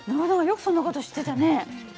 よくそんな事知ってたね。